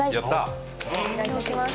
お願い致します。